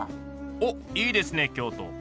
おっいいですね京都。